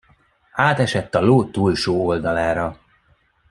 Átesett a ló túlsó oldalára.